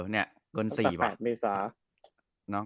เนี่ยกลุ่น๔ป่ะ